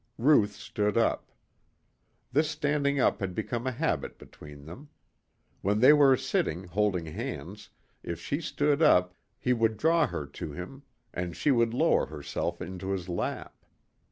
Ruth stood up. This standing up had become a habit between them. When they were sitting holding hands, if she stood up, he would draw her to him and she would lower herself into his lap.